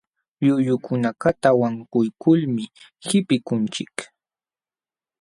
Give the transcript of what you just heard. Llullukunakaqta wankuykulmi qipikunchik.